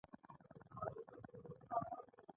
کله چې کارګران دوه برابره کار وکړي مصارف زیاتېږي